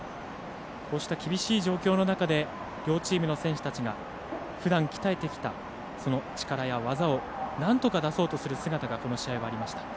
こうした厳しい状況の中で両チームの選手たちがふだん鍛えてきた力や技をなんとか出そうとする姿がこの試合はありました。